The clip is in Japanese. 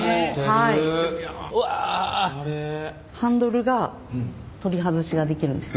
ハンドルが取り外しができるんですね。